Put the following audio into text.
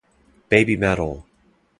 Babymetal!